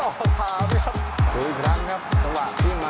โอ้โฮแพ้เอาอีกแล้วครับ